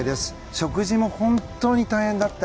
食事も本当に大変だった。